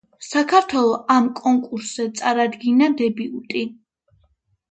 საქართველო ამ კონკურსზე წარადგინა დებიუტი.